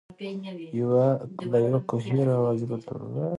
له یوه کوهي را وزي بل ته لوېږي.